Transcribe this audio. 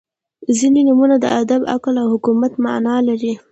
• ځینې نومونه د ادب، عقل او حکمت معنا لري.